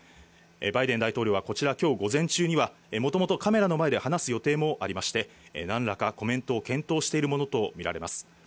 バイデン大統領はこちら、きょう午前中には、もともとカメラの前で話す予定もありまして、なんらかコメントを検討しているものと見られます。